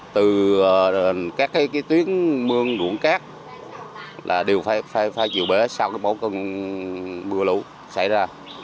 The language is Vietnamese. từ các cái tuyến mương ruộng cát là đều phải chịu bể sau cái mỗi cơn mưa lũ xảy ra